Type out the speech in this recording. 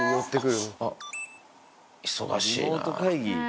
忙しいな。